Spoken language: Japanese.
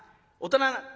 「大人」。